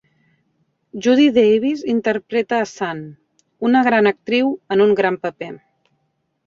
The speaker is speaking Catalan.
Judy Davis interpreta a Sand: una gran actriu en un gran paper.